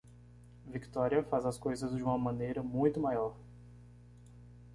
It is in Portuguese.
Victoria faz as coisas de uma maneira muito maior.